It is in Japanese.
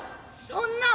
「そんな」。